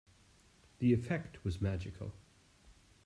The effect was magical.